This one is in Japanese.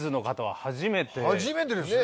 初めてですね。